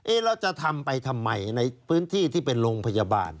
เราจะทำไปทำไมในพื้นที่ที่เป็นโรงพยาบาล